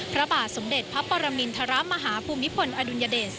พระบาทสมเด็จพระปรมินทรมาฮภูมิพลอดุลยเดช